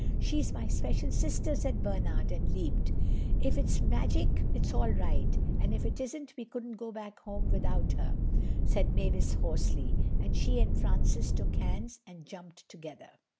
"She's my special sister," said Bernard, and leaped. "If it's magic it's all right—and if it isn't we couldn't go back home without her," said Mavis hoarsely. And she and Francis took hands and jumped together.